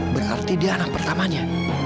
berarti dia anak pertamanya